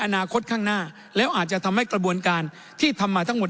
อนาคตข้างหน้าแล้วอาจจะทำให้กระบวนการที่ทำมาทั้งหมด